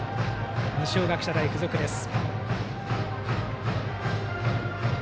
二松学舎大付属です。